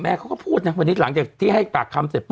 เขาก็พูดนะวันนี้หลังจากที่ให้ปากคำเสร็จปุ